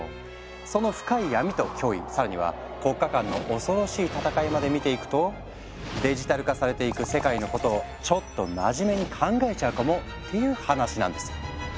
その深い闇と脅威更には国家間の恐ろしい戦いまで見ていくとデジタル化されていく世界のことをちょっと真面目に考えちゃうかも？っていう話なんですよ。